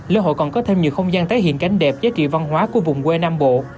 lễ hội còn có thêm nhiều không gian tái hiện cảnh đẹp giá trị văn hóa của vùng quê nam bộ